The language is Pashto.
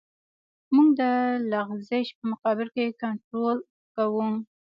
موږ د لغزش په مقابل کې کنټرول کوو